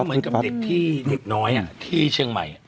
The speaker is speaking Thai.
ก็เหมือนกับเด็กที่นิดน้อยอ่ะที่เชียงใหม่